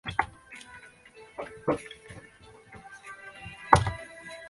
早在齐高帝时期就设立校籍官和置令史来清查户籍。